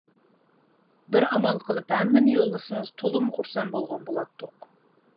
بىر ئامال قىلىپ ھەممىنى يوللىسىڭىز تولىمۇ خۇرسەن بولغان بولاتتۇق.